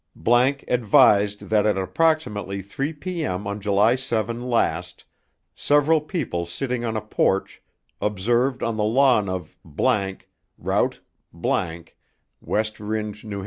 ____ ADVISED THAT AT APPROXIMATELY THREE PM ON JULY SEVEN LAST SEVERAL PEOPLE SITTING ON A PORCH OBSERVED ON THE LAWN OF ____ ROUTE ____ WEST RINDGE, N.H.